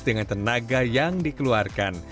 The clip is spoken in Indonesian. dengan tenaga yang dikeluarkan